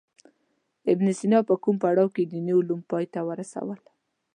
ابن سینا په کوم پړاو کې دیني علوم پای ته ورسول.